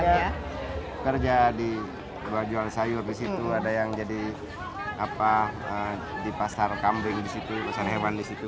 ibu ibu soalnya kerja di jual jual sayur di situ ada yang jadi di pasar kambing di situ di pasar hewan di situ